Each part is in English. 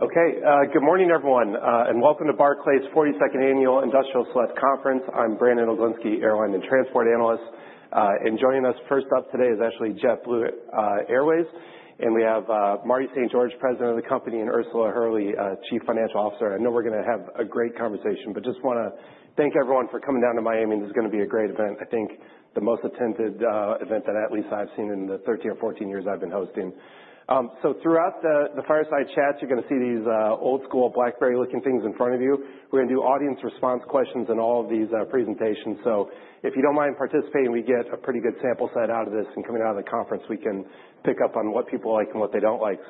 Okay, good morning, everyone, and welcome to Barclays' 42nd Annual Industrial Select Conference. I'm Brandon Oglenski, Airline and Transport Analyst, and joining us first up today is actually JetBlue Airways, and we have Marty St. George, President of the Company, and Ursula Hurley, Chief Financial Officer. I know we're going to have a great conversation, but just want to thank everyone for coming down to Miami. This is going to be a great event, I think the most attended event that, at least, I've seen in the 13 or 14 years I've been hosting, so throughout the fireside chats, you're going to see these old-school BlackBerry-looking things in front of you. We're going to do audience response questions in all of these presentations, so if you don't mind participating, we get a pretty good sample set out of this. Coming out of the conference, we can pick up on what people like and what they don't like.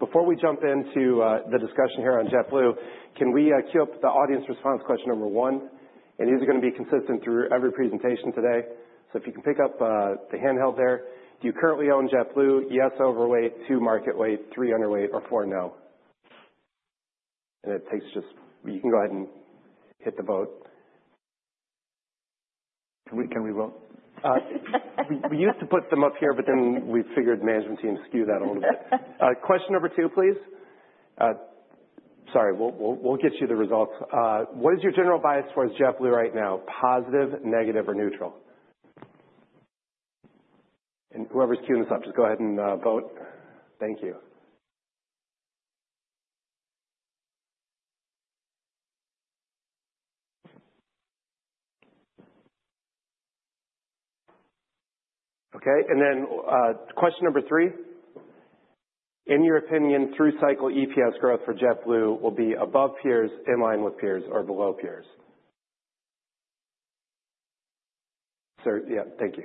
Before we jump into the discussion here on JetBlue, can we queue up the audience response question number one? These are going to be consistent through every presentation today. If you can pick up the handheld there. Do you currently own JetBlue? Yes, overweight; 2, market weight; 3, underweight; or 4, no? It takes just you can go ahead and hit the vote. Can we vote? We used to put them up here, but then we figured management teams skew that a little bit. Question number two, please. Sorry, we'll get you the results. What is your general bias towards JetBlue right now? Positive, negative, or neutral? And whoever's queuing this up, just go ahead and vote. Thank you. Okay, and then question number three. In your opinion, through-cycle EPS growth for JetBlue will be above peers, in line with peers, or below peers? Sir, yeah, thank you.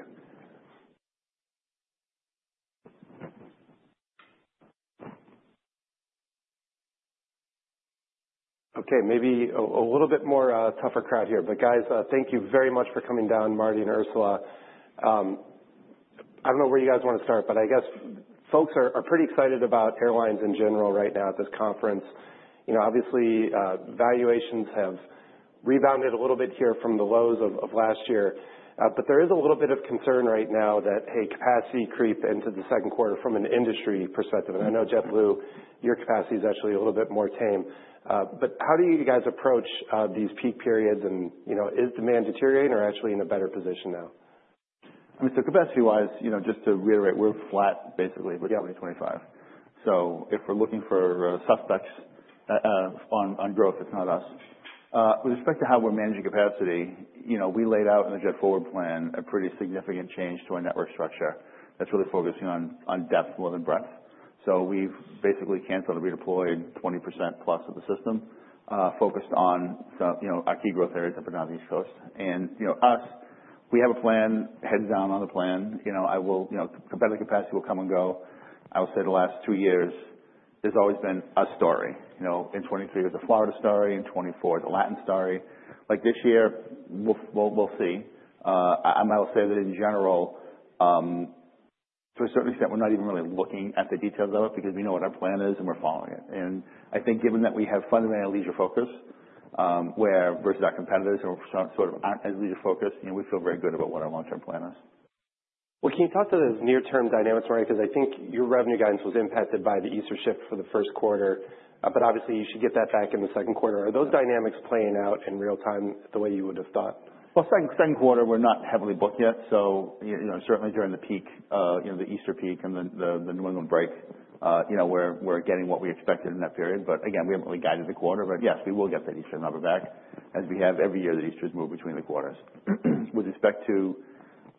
Okay, maybe a little bit more tougher crowd here. But guys, thank you very much for coming down, Marty and Ursula. I don't know where you guys want to start, but I guess folks are pretty excited about airlines in general right now at this conference. Obviously, valuations have rebounded a little bit here from the lows of last year. There is a little bit of concern right now that, hey, capacity creep into the Q2 from an industry perspective. I know JetBlue, your capacity is actually a little bit more tame. But how do you guys approach these peak periods? Is demand deteriorating or actually in a better position now? I mean, so capacity-wise, just to reiterate, we're flat, basically, with 2025. So if we're looking for suspects on growth, it's not us. With respect to how we're managing capacity, we laid out in the JetForward plan a pretty significant change to our network structure that's really focusing on depth more than breadth. So we've basically canceled and redeployed 20% plus of the system, focused on our key growth areas up and down the East Coast. And us, we have a plan, heads down on the plan. Competitive capacity will come and go. I will say the last two years, there's always been a story. In 2023, it was a Florida story; in 2024, it was a Latin story. Like this year, we'll see. I will say that in general, to a certain extent, we're not even really looking at the details of it because we know what our plan is and we're following it, and I think given that we have fundamentally a leisure focus versus our competitors who sort of aren't as leisure focused, we feel very good about what our long-term plan is. Can you talk to those near-term dynamics, Marty? Because I think your revenue guidance was impacted by the Easter shift for the Q1. But obviously, you should get that back in the Q2. Are those dynamics playing out in real time the way you would have thought? Q2, we're not heavily booked yet. So certainly during the peak, the Easter peak and the New England break, we're getting what we expected in that period. But again, we haven't really guided the quarter. But yes, we will get that Easter number back, as we have every year that Easter is moved between the quarters. With respect to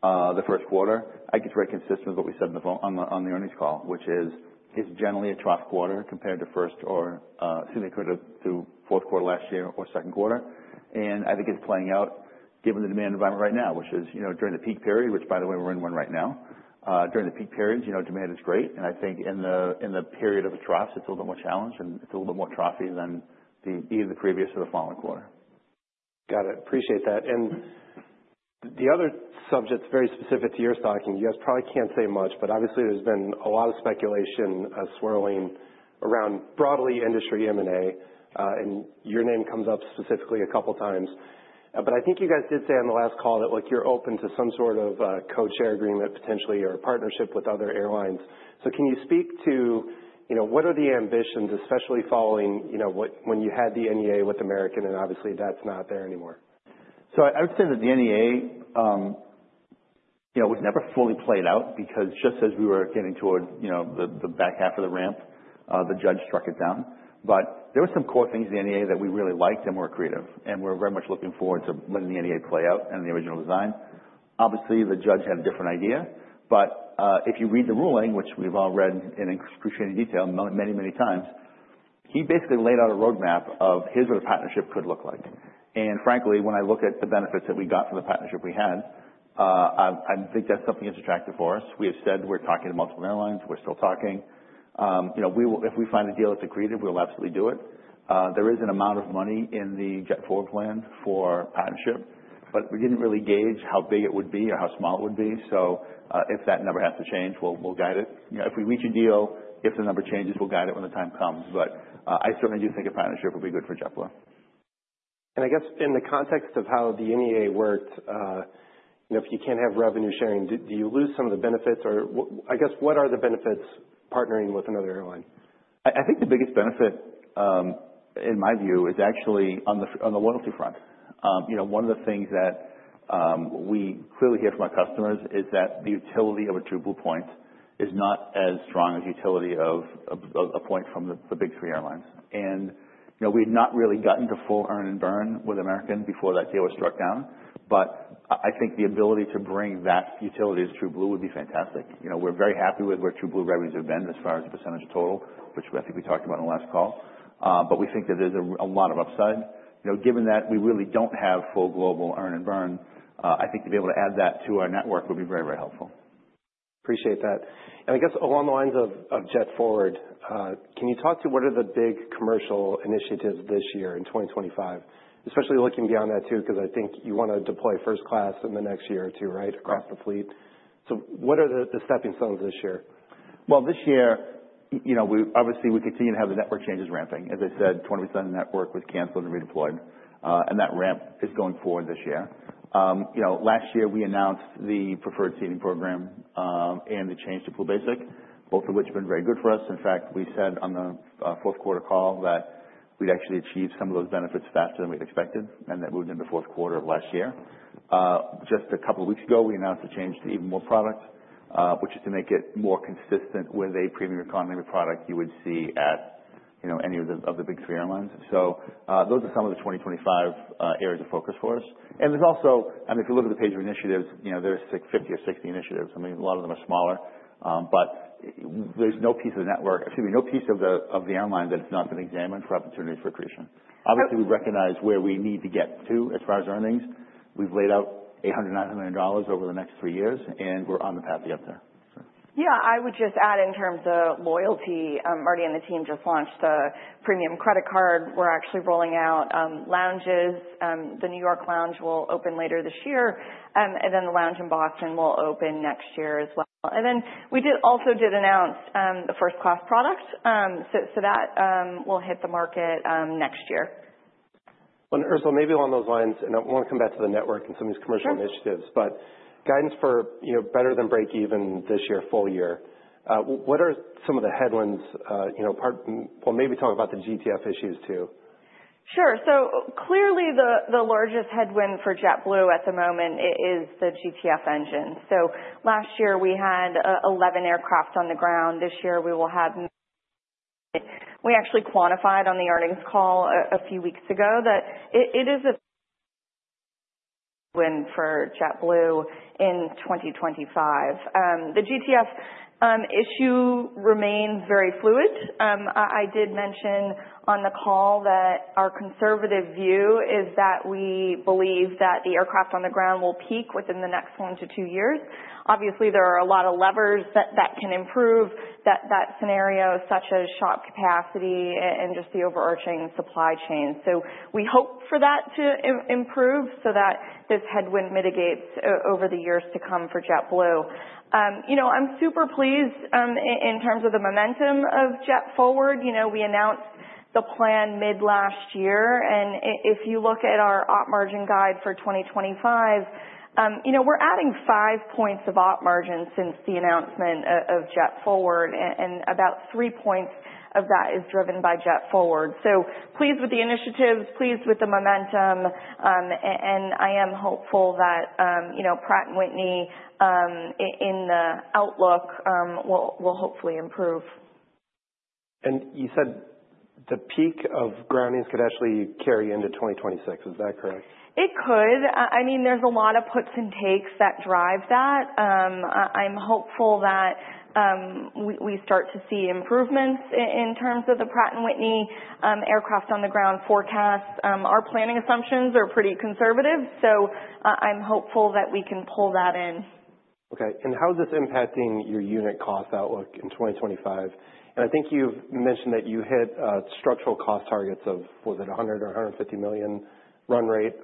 the Q1, I think it's very consistent with what we said on the earnings call, which is it's generally a trough quarter compared to Q1 or Q2 to Q4 last year or Q2. And I think it's playing out given the demand environment right now, which is during the peak period, which, by the way, we're in one right now. During the peak periods, demand is great. I think in the period of the troughs, it's a little bit more challenged and it's a little bit more troughy than either the previous or the following quarter. Got it. Appreciate that. And the other subject's very specific to your stock in. You guys probably can't say much, but obviously, there's been a lot of speculation swirling around broadly industry M&A. And your name comes up specifically a couple of times. But I think you guys did say on the last call that you're open to some sort of code-share agreement, potentially, or a partnership with other airlines. So can you speak to what are the ambitions, especially following when you had the NEA with American and obviously that's not there anymore? So I would say that the NEA was never fully played out because just as we were getting toward the back half of the ramp, the judge struck it down. But there were some core things in the NEA that we really liked and were creative. And we're very much looking forward to letting the NEA play out in the original design. Obviously, the judge had a different idea. But if you read the ruling, which we've all read in excruciating detail many, many times, he basically laid out a roadmap of how the partnership could look like. And frankly, when I look at the benefits that we got from the partnership we had, I think that's something that's attractive for us. We have said we're talking to multiple airlines. We're still talking. If we find a deal that's accretive, we will absolutely do it. There is an amount of money in the JetForward plan for partnership, but we didn't really gauge how big it would be or how small it would be. So if that number has to change, we'll guide it. If we reach a deal, if the number changes, we'll guide it when the time comes. But I certainly do think a partnership would be good for JetBlue. And I guess in the context of how the NEA worked, if you can't have revenue sharing, do you lose some of the benefits? Or I guess, what are the benefits partnering with another airline? I think the biggest benefit, in my view, is actually on the loyalty front. One of the things that we clearly hear from our customers is that the utility of a TrueBlue point is not as strong as the utility of a point from the Big Three airlines, and we had not really gotten to full earn and burn with American before that deal was struck down, but I think the ability to bring that utility to TrueBlue would be fantastic. We're very happy with where TrueBlue revenues have been as far as the percentage total, which I think we talked about on the last call, but we think that there's a lot of upside. Given that we really don't have full global earn and burn, I think to be able to add that to our network would be very, very helpful. Appreciate that. And I guess along the lines of JetForward, can you talk to what are the big commercial initiatives this year in 2025? Especially looking beyond that too, because I think you want to deploy first class in the next year or two, right, across the fleet. So what are the stepping stones this year? This year, obviously, we continue to have the network changes ramping. As I said, 20% of the network was canceled and redeployed. That ramp is going forward this year. Last year, we announced the preferred seating program and the change to Blue Basic, both of which have been very good for us. In fact, we said on the Q4 call that we'd actually achieve some of those benefits faster than we'd expected and that moved into Q4 of last year. Just a couple of weeks ago, we announced a change to Even More product, which is to make it more consistent with a premium economy product you would see at any of the Big Three airlines. So those are some of the 2025 areas of focus for us. There's also, I mean, if you look at the page of initiatives, there's 50 or 60 initiatives. I mean, a lot of them are smaller. But there's no piece of the network, excuse me, no piece of the airline that has not been examined for opportunities for accretion. Obviously, we recognize where we need to get to as far as earnings. We've laid out $800-$900 over the next three years, and we're on the path to get there. Yeah, I would just add in terms of loyalty. Marty and the team just launched the premium credit card. We're actually rolling out lounges. The New York lounge will open later this year. And then the lounge in Boston will open next year as well. And then we also did announce the first class product. So that will hit the market next year. Ursula, maybe along those lines, and I want to come back to the network and some of these commercial initiatives, but guidance for better than break even this year, full year. What are some of the headwinds? Well, maybe talk about the GTF issues too. Sure. So clearly, the largest headwind for JetBlue at the moment is the GTF engine. So last year, we had 11 aircraft on the ground. This year, we will have. We actually quantified on the earnings call a few weeks ago that it is a headwind for JetBlue in 2025. The GTF issue remains very fluid. I did mention on the call that our conservative view is that we believe that the aircraft on the ground will peak within the next one to two years. Obviously, there are a lot of levers that can improve that scenario, such as shop capacity and just the overarching supply chain. So we hope for that to improve so that this headwind mitigates over the years to come for JetBlue. I'm super pleased in terms of the momentum of JetForward. We announced the plan mid-last year. And if you look at our op margin guide for 2025, we're adding five points of op margin since the announcement of JetForward. And about three points of that is driven by JetForward. So pleased with the initiatives, pleased with the momentum. And I am hopeful that Pratt & Whitney in the outlook will hopefully improve. You said the peak of groundings could actually carry into 2026. Is that correct? It could. I mean, there's a lot of puts and takes that drive that. I'm hopeful that we start to see improvements in terms of the Pratt & Whitney aircraft on the ground forecast. Our planning assumptions are pretty conservative. So I'm hopeful that we can pull that in. Okay. And how is this impacting your unit cost outlook in 2025? And I think you've mentioned that you hit structural cost targets of, was it $100 million or $150 million run rate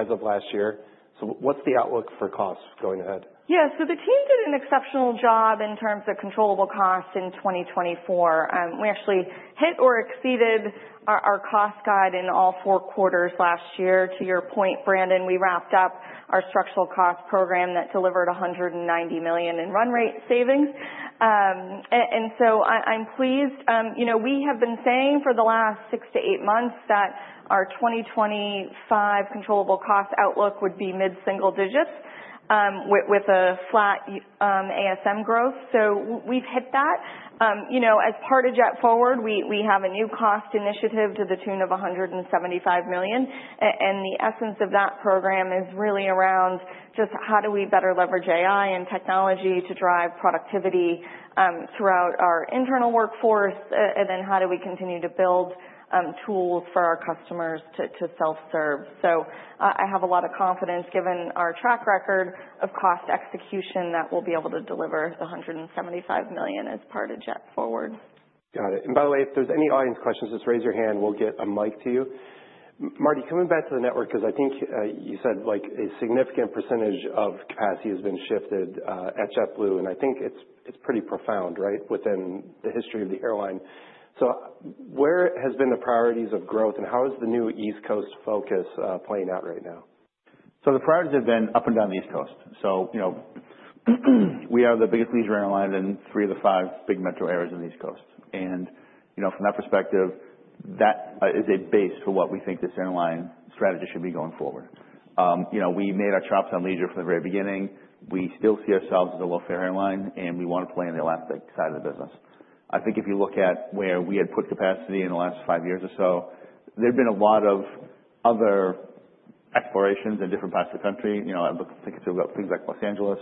as of last year? So what's the outlook for costs going ahead? Yeah, so the team did an exceptional job in terms of controllable costs in 2024. We actually hit or exceeded our cost guide in all four quarters last year. To your point, Brandon, we wrapped up our structural cost program that delivered $190 million in run rate savings, and so I'm pleased. We have been saying for the last six to eight months that our 2025 controllable cost outlook would be mid-single digits with a flat ASM growth, so we've hit that. As part of JetForward, we have a new cost initiative to the tune of $175 million, and the essence of that program is really around just how do we better leverage AI and technology to drive productivity throughout our internal workforce? And then how do we continue to build tools for our customers to self-serve? I have a lot of confidence given our track record of cost execution that we'll be able to deliver the $175 million as part of JetForward. Got it. And by the way, if there's any audience questions, just raise your hand. We'll get a mic to you. Marty, coming back to the network, because I think you said a significant percentage of capacity has been shifted at JetBlue. And I think it's pretty profound, right, within the history of the airline. So where have been the priorities of growth and how is the new East Coast focus playing out right now? The priorities have been up and down the East Coast. We are the biggest leisure airline in three of the five big metro areas in the East Coast. From that perspective, that is a base for what we think this airline strategy should be going forward. We made our chops on leisure from the very beginning. We still see ourselves as a low-fare airline, and we want to play in the elastic side of the business. I think if you look at where we had put capacity in the last five years or so, there have been a lot of other explorations in different parts of the country. I think it's about things like Los Angeles,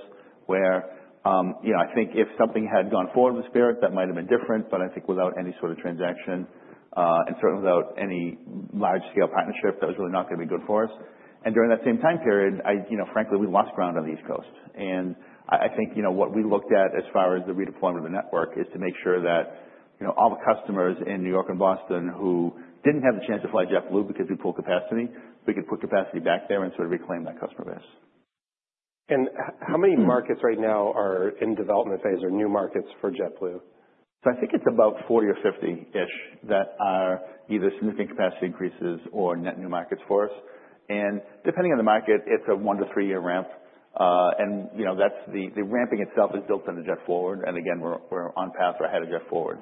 where I think if something had gone forward in the Spirit, that might have been different. But I think without any sort of transaction and certainly without any large-scale partnership, that was really not going to be good for us. And during that same time period, frankly, we lost ground on the East Coast. And I think what we looked at as far as the redeployment of the network is to make sure that all the customers in New York and Boston who didn't have the chance to fly JetBlue because we pulled capacity, we could put capacity back there and sort of reclaim that customer base. How many markets right now are in development phase or new markets for JetBlue? I think it's about 40 or 50-ish that are either significant capacity increases or net new markets for us. Depending on the market, it's a one to three-year ramp. The ramping itself is built into JetForward. Again, we're on path or ahead of JetForward.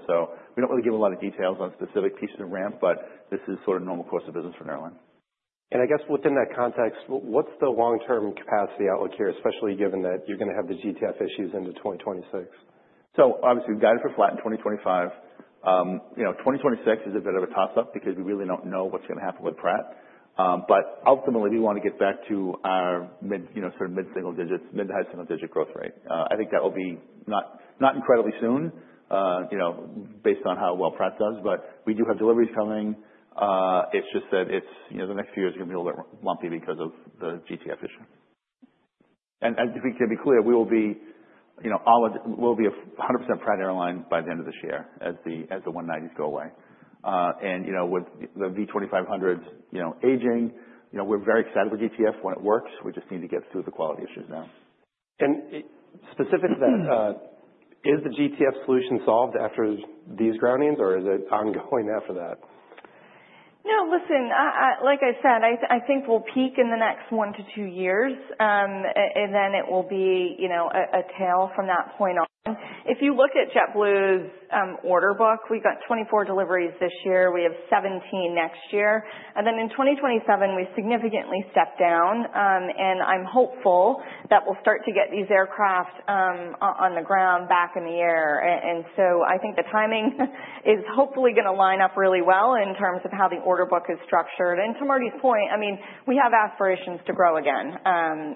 We don't really give a lot of details on specific pieces of ramp, but this is sort of normal course of business for an airline. I guess within that context, what's the long-term capacity outlook here, especially given that you're going to have the GTF issues into 2026? Obviously, we've guided for flat in 2025. 2026 is a bit of a toss-up because we really don't know what's going to happen with Pratt. But ultimately, we want to get back to our sort of mid-single digits, mid to high single digit growth rate. I think that will be not incredibly soon based on how well Pratt does. But we do have deliveries coming. It's just that the next few years are going to be a little bit lumpy because of the GTF issue. And to be clear, we will be a 100% Pratt airline by the end of this year as the 190s go away. And with the V2500s aging, we're very excited with GTF when it works. We just need to get through the quality issues now. Specific to that, is the GTF solution solved after these groundings, or is it ongoing after that? No, listen, like I said, I think we'll peak in the next one to two years. And then it will be a tail from that point on. If you look at JetBlue's order book, we've got 24 deliveries this year. We have 17 next year. And then in 2027, we significantly step down. And I'm hopeful that we'll start to get these aircraft on the ground back in the air. And so I think the timing is hopefully going to line up really well in terms of how the order book is structured. And to Marty's point, I mean, we have aspirations to grow again.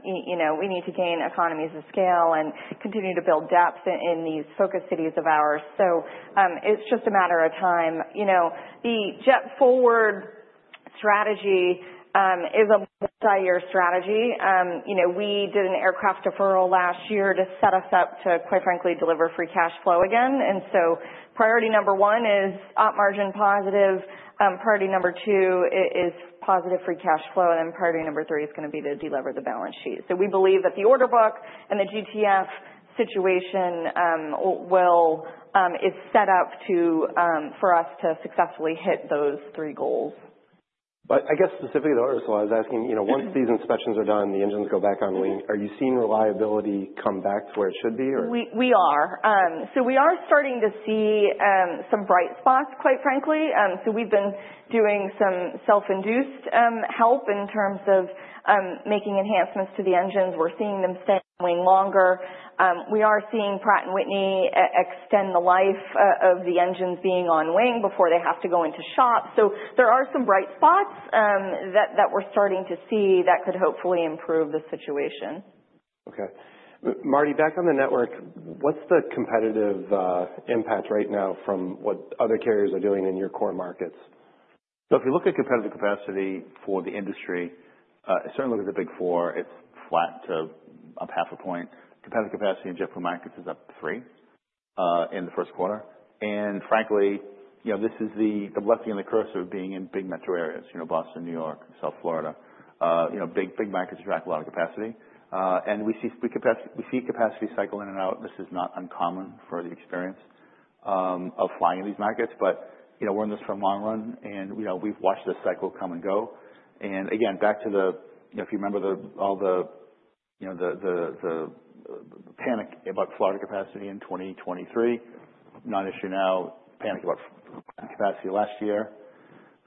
We need to gain economies of scale and continue to build depth in these focus cities of ours. So it's just a matter of time. The JetForward strategy is a multi-year strategy. We did an aircraft deferral last year to set us up to, quite frankly, deliver free cash flow again. And so priority number one is op margin positive. Priority number two is positive free cash flow. And then priority number three is going to be to deliver the balance sheet. So we believe that the order book and the GTF situation is set up for us to successfully hit those three goals. But I guess specifically to Ursula, I was asking, once these inspections are done, the engines go back on wing, are you seeing reliability come back to where it should be, or? We are. So we are starting to see some bright spots, quite frankly. So we've been doing some self-induced help in terms of making enhancements to the engines. We're seeing them stay on wing longer. We are seeing Pratt & Whitney extend the life of the engines being on wing before they have to go into shop. So there are some bright spots that we're starting to see that could hopefully improve the situation. Okay. Marty, back on the network, what's the competitive impact right now from what other carriers are doing in your core markets? If you look at competitive capacity for the industry, certainly look at the Big Four, it's flat to up 0.5%. Competitive capacity in JetBlue markets is up 3% in the Q1. And frankly, this is the blessing and the curse of being in big metro areas, Boston, New York, South Florida. Big markets attract a lot of capacity. And we see capacity cycle in and out. This is not uncommon for the experience of flying in these markets. But we're in this for a long run. And we've watched this cycle come and go. And again, back to the, if you remember all the panic about Florida capacity in 2023, not an issue now, panic about capacity last year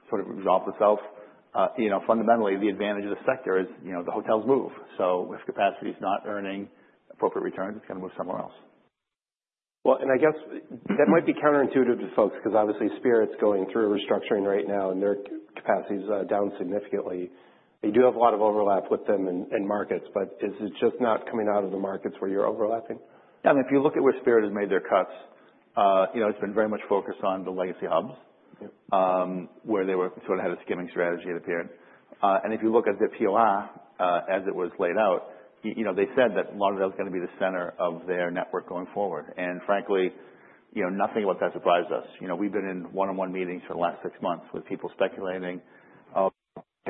sort of resolved itself. Fundamentally, the advantage of the sector is the hotels move. If capacity is not earning appropriate returns, it's going to move somewhere else. I guess that might be counterintuitive to folks because obviously Spirit's going through restructuring right now and their capacity is down significantly. They do have a lot of overlap with them in markets, but is it just not coming out of the markets where you're overlapping? Yeah. I mean, if you look at where Spirit has made their cuts, it's been very much focused on the legacy hubs where they sort of had a skimming strategy, it appeared. If you look at their POR as it was laid out, they said that Fort Lauderdale is going to be the center of their network going forward. Frankly, nothing about that surprised us. We've been in one-on-one meetings for the last six months with people speculating of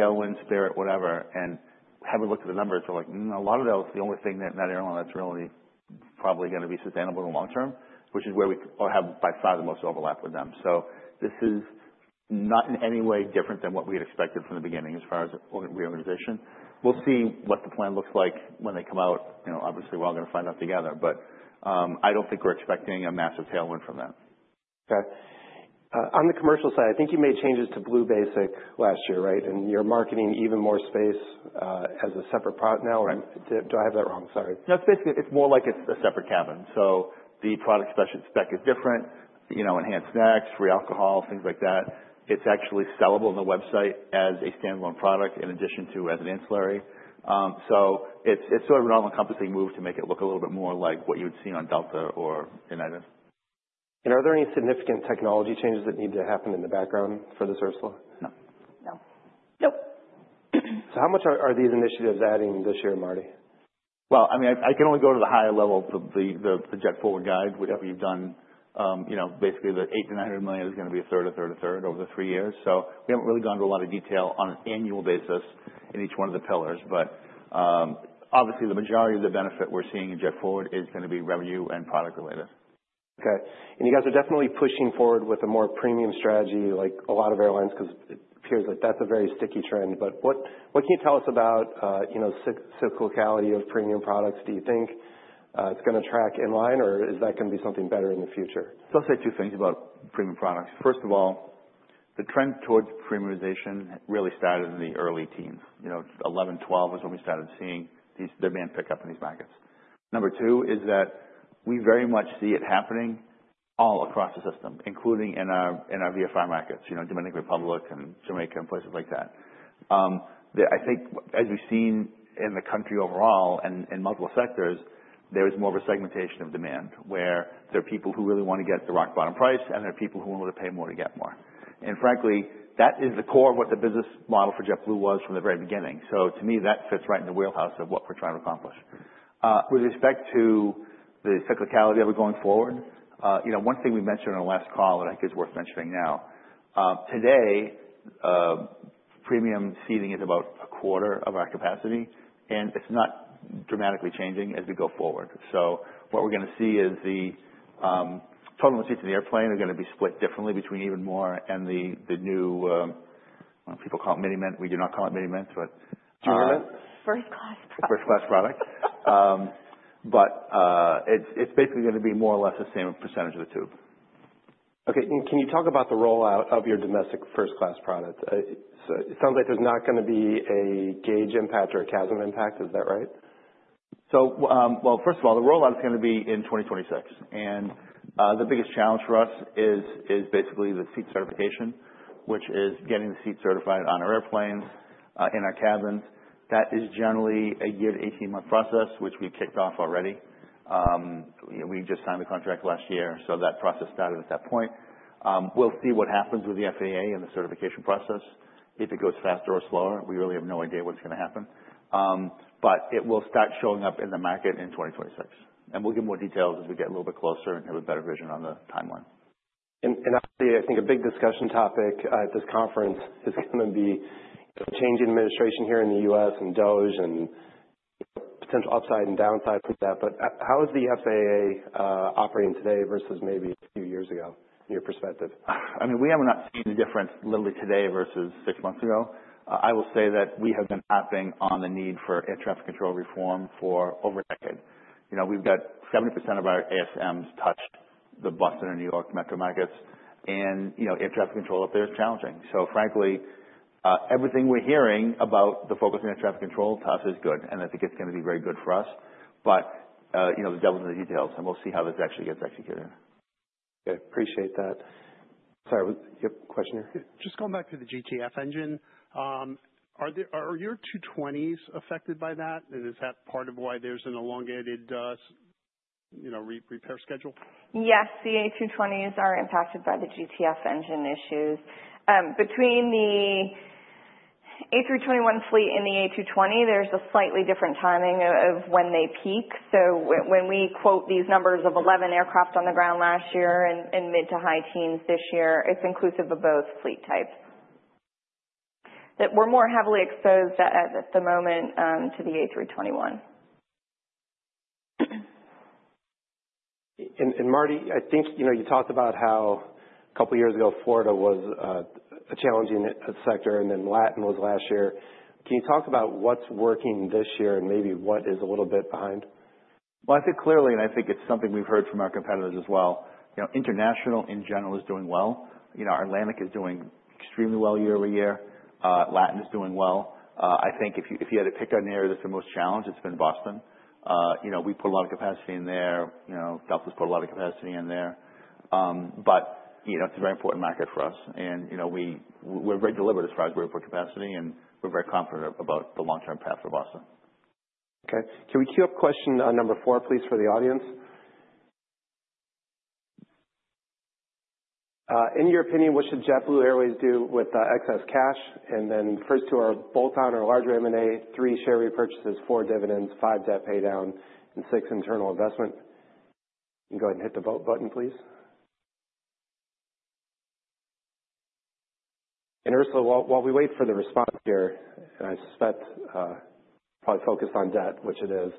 tailwind, Spirit, whatever. Having looked at the numbers, they're like, a lot of that is the only thing in that airline that's really probably going to be sustainable in the long term, which is where we have by far the most overlap with them. This is not in any way different than what we had expected from the beginning as far as reorganization. We'll see what the plan looks like when they come out. Obviously, we're all going to find out together. But I don't think we're expecting a massive tailwind from them. Okay. On the commercial side, I think you made changes to Blue Basic last year, right? And you're marketing Even More Space as a separate product now, or do I have that wrong? Sorry. No, it's basically more like it's a separate cabin. So the product spec is different: enhanced snacks, free alcohol, things like that. It's actually sellable on the website as a standalone product in addition to as an ancillary. So it's sort of an all-encompassing move to make it look a little bit more like what you would see on Delta or United. Are there any significant technology changes that need to happen in the background for this Ursula? No. No. So how much are these initiatives adding this year, Marty? I mean, I can only go to the higher level of the JetForward guide. Whatever you've done, basically the $800 million-$900 million is going to be a third, a third, a third over the three years. So we haven't really gone to a lot of detail on an annual basis in each one of the pillars. But obviously, the majority of the benefit we're seeing in JetForward is going to be revenue and product related. Okay, and you guys are definitely pushing forward with a more premium strategy like a lot of airlines because it appears that that's a very sticky trend, but what can you tell us about the cyclicality of premium products? Do you think it's going to track in line, or is that going to be something better in the future? So I'll say two things about premium products. First of all, the trend towards premiumization really started in the early teens. 11, 12 was when we started seeing tremendous pickup in these markets. Number two is that we very much see it happening all across the system, including in our VFR markets, Dominican Republic and Jamaica and places like that. I think as we've seen in the country overall and in multiple sectors, there is more of a segmentation of demand where there are people who really want to get the rock bottom price and there are people who want to pay more to get more. And frankly, that is the core of what the business model for JetBlue was from the very beginning. So to me, that fits right in the wheelhouse of what we're trying to accomplish. With respect to the cyclicality of it going forward, one thing we mentioned on the last call that I think is worth mentioning now. Today, premium seating is about a quarter of our capacity, and it's not dramatically changing as we go forward, so what we're going to see is the total seats in the airplane are going to be split differently between Even More and the new people call it Mini Mint. We do not call it Mini Mint, but. Junior Mint? First class product. First class product, but it's basically going to be more or less the same percentage of the tube. Okay. And can you talk about the rollout of your domestic first class product? It sounds like there's not going to be a gauge impact or a CASM impact. Is that right? So well, first of all, the rollout is going to be in 2026. And the biggest challenge for us is basically the seat certification, which is getting the seat certified on our airplanes, in our cabins. That is generally a year to 18-month process, which we've kicked off already. We just signed the contract last year. So that process started at that point. We'll see what happens with the FAA and the certification process. If it goes faster or slower, we really have no idea what's going to happen. But it will start showing up in the market in 2026. And we'll give more details as we get a little bit closer and have a better vision on the timeline. And obviously, I think a big discussion topic at this conference is going to be changing administration here in the U.S. and DOGE and potential upside and downside from that. But how is the FAA operating today versus maybe a few years ago in your perspective? I mean, we have not seen the difference literally today versus six months ago. I will say that we have been tapping on the need for air traffic control reform for over a decade. We've got 70% of our ASMs touched the Boston and New York metro markets. And air traffic control up there is challenging. So frankly, everything we're hearing about the focus on air traffic control to us is good. And I think it's going to be very good for us. But the devil's in the details. And we'll see how this actually gets executed. Okay. Appreciate that. Sorry, you have a question here? Just going back to the GTF engine, are your A220s affected by that? And is that part of why there's an elongated repair schedule? Yes. The A220s are impacted by the GTF engine issues. Between the A321 fleet and the A220, there's a slightly different timing of when they peak. So when we quote these numbers of 11 aircraft on the ground last year and mid to high teens this year, it's inclusive of both fleet types. We're more heavily exposed at the moment to the A321. And Marty, I think you talked about how a couple of years ago, Florida was a challenging sector and then Latin was last year. Can you talk about what's working this year and maybe what is a little bit behind? I think clearly, and I think it's something we've heard from our competitors as well, international in general is doing well. Atlantic is doing extremely well year-over-year. Latin is doing well. I think if you had to pick an area that's the most challenged, it's been Boston. We put a lot of capacity in there. Delta's put a lot of capacity in there. It's a very important market for us. We're very deliberate as far as we're able to put capacity. We're very confident about the long-term path for Boston. Okay. Can we cue up question number four, please, for the audience? In your opinion, what should JetBlue Airways do with excess cash? And then first two are bolt-on or larger M&A, three share repurchases, four dividends, five debt paydown, and six internal investment. You can go ahead and hit the vote button, please. And Ursula, while we wait for the response here, and I suspect probably focused on debt, which it is,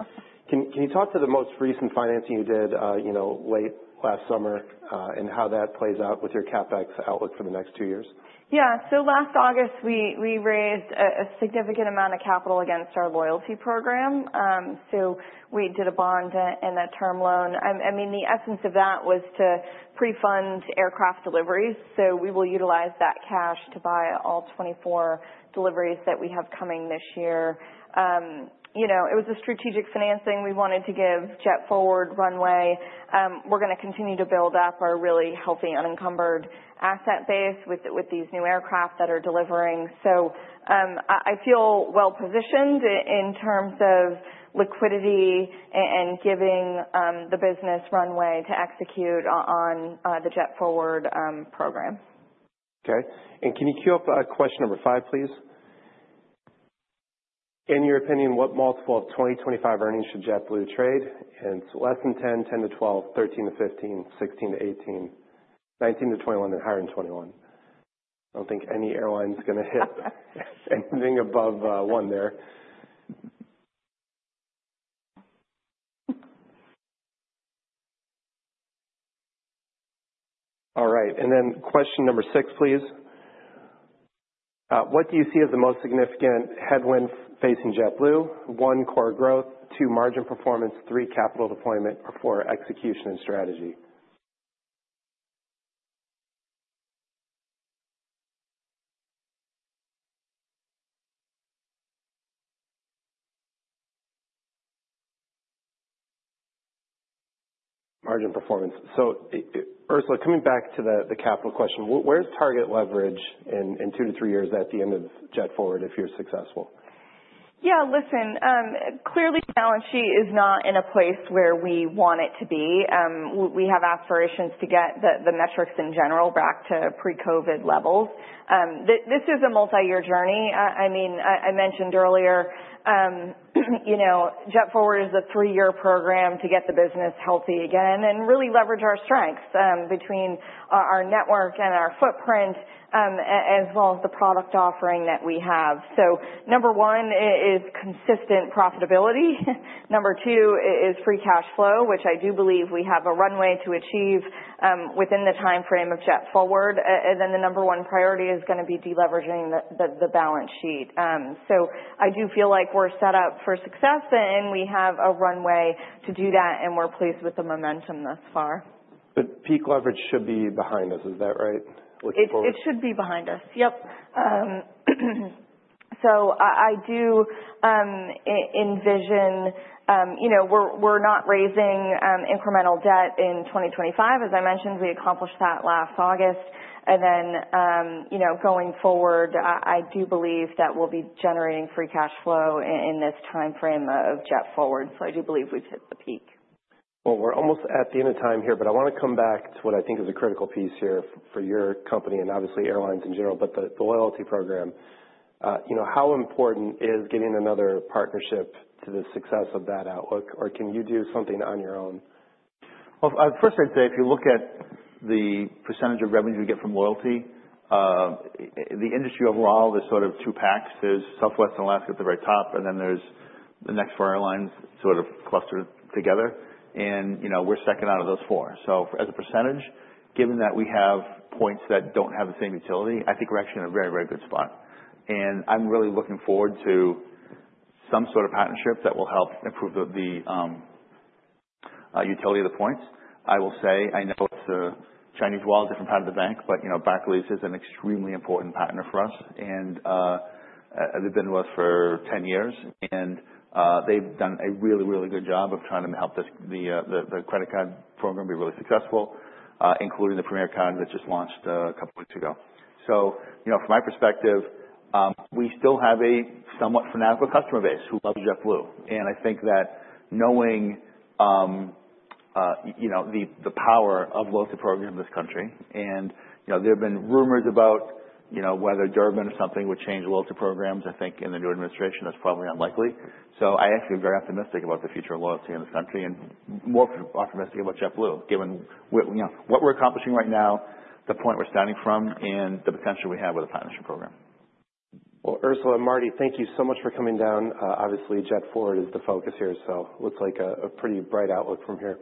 can you talk to the most recent financing you did late last summer and how that plays out with your CapEx outlook for the next two years? Yeah. So last August, we raised a significant amount of capital against our loyalty program. So we did a bond and a term loan. I mean, the essence of that was to pre-fund aircraft deliveries. So we will utilize that cash to buy all 24 deliveries that we have coming this year. It was a strategic financing. We wanted to give JetForward runway. We're going to continue to build up our really healthy unencumbered asset base with these new aircraft that are delivering. So I feel well-positioned in terms of liquidity and giving the business runway to execute on the JetForward program. Okay. And can you queue up question number five, please? In your opinion, what multiple of 2025 earnings should JetBlue trade? And it's less than 10, 10 to 12, 13 to 15, 16 to 18, 19 to 21, and higher than 21. I don't think any airline's going to hit anything above one there. All right. And then question number six, please. What do you see as the most significant headwind facing JetBlue? One, core growth; two, margin performance; three, capital deployment; or four, execution and strategy? Margin performance. So Ursula, coming back to the capital question, where's target leverage in two to three years at the end of JetForward if you're successful? Yeah. Listen, clearly, balance sheet is not in a place where we want it to be. We have aspirations to get the metrics in general back to pre-COVID levels. This is a multi-year journey. I mean, I mentioned earlier, JetForward is a three-year program to get the business healthy again and really leverage our strengths between our network and our footprint as well as the product offering that we have. So number one is consistent profitability. Number two is free cash flow, which I do believe we have a runway to achieve within the timeframe of JetForward. And then the number one priority is going to be deleveraging the balance sheet. So I do feel like we're set up for success and we have a runway to do that and we're pleased with the momentum thus far. But peak leverage should be behind us. Is that right? Looking forward. It should be behind us. Yep, so I do envision we're not raising incremental debt in 2025. As I mentioned, we accomplished that last August and then going forward, I do believe that we'll be generating free cash flow in this timeframe of JetForward, so I do believe we've hit the peak. We're almost at the end of time here, but I want to come back to what I think is a critical piece here for your company and obviously airlines in general, but the loyalty program. How important is getting another partnership to the success of that outlook? Or can you do something on your own? First I'd say if you look at the percentage of revenue you get from loyalty, the industry overall is sort of two packs. There's Southwest and Alaska at the very top, and then there's the next four airlines sort of clustered together. We're second out of those four. As a percentage, given that we have points that don't have the same utility, I think we're actually in a very, very good spot. I'm really looking forward to some sort of partnership that will help improve the utility of the points. I will say I know it's a Chinese wall, different part of the bank, but Barclays is an extremely important partner for us. They've been with us for 10 years. And they've done a really, really good job of trying to help the credit card program be really successful, including the Premier Card that just launched a couple of weeks ago. So from my perspective, we still have a somewhat fanatical customer base who loves JetBlue. And I think that knowing the power of loyalty programs in this country, and there have been rumors about whether Durbin or something would change loyalty programs, I think in the new administration that's probably unlikely. So I actually am very optimistic about the future of loyalty in this country and more optimistic about JetBlue given what we're accomplishing right now, the point we're starting from, and the potential we have with the partnership program. Ursula and Marty, thank you so much for coming down. Obviously, JetForward is the focus here. It looks like a pretty bright outlook from here.